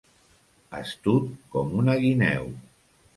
Astut com una guineu.